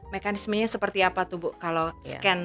mekanismenya seperti apa tuh bu kalau scan